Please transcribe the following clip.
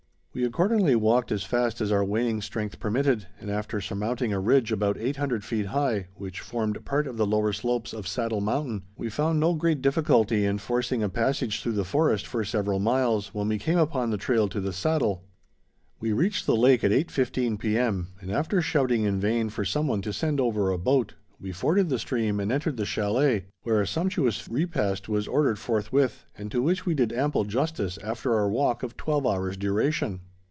We accordingly walked as fast as our waning strength permitted, and after surmounting a ridge about 800 feet high, which formed part of the lower slopes of Saddle Mountain, we found no great difficulty in forcing a passage through the forest for several miles, when we came upon the trail to the Saddle. We reached the lake at 8.15 P.M., and after shouting in vain for some one to send over a boat, we forded the stream and entered the chalet, where a sumptuous repast was ordered forthwith, and to which we did ample justice after our walk of twelve hours duration.